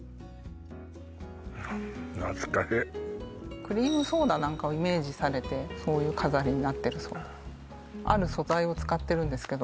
懐かしいクリームソーダなんかをイメージされてそういう飾りになってるそうです